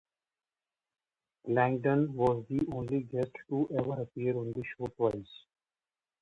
Langdon was the only guest to ever appear on the show twice.